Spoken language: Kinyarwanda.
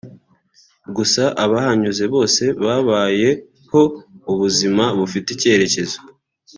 gusa abahanyuze bose babayeho mu buzima bufite icyerekezo